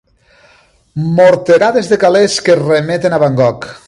Morterades de calés que remeten a Van Gogh.